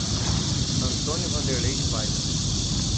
Antônio Wanderley de Paiva